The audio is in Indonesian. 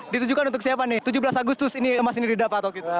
ditujukan untuk siapa nih tujuh belas agustus ini emas ini didapat atau kita